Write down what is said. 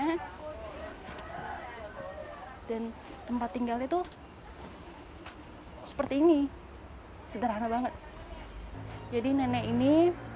hai dan tempat tinggal itu seperti ini sederhana banget jadi nenek ini